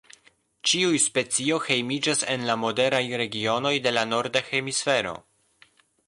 Ĉiuj specio hejmiĝas en la moderaj regionoj de la norda hemisfero.